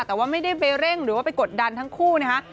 แต่ว่าไม่ได้ไปเร่งหรือว่าไปกดดันทั้งคู่นะคะ